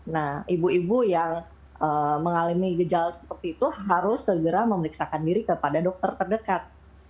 nah ibu ibu yang mengalami gejala seperti itu harus segera memeriksakan diri kepada dokter terdekat